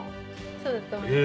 そうだと思います。